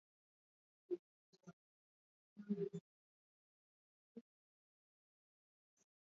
Vita ilianza baada ya kuvunjika kwa mkataba wa amani na serikali ya Jamhuri ya Kidemocrasia ya Kongo, mnamo mwaka elfu mbili na kumi.